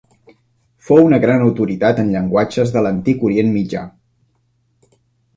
Fou una gran autoritat en llenguatges de l'antic Orient Mitjà.